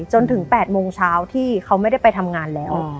จนถึง๘โมงเช้าที่เขาไม่ได้ไปทำงานแล้ว